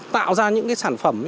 tạo ra những cái sản phẩm